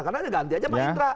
karena ganti aja maitra